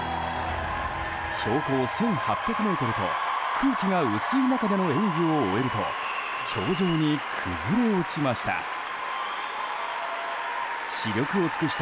標高１８００ｍと空気が薄い中での演技を終えると氷上に崩れ落ちました。